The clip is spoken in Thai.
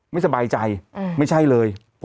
ไม่สบายใจไม่ใช่เลย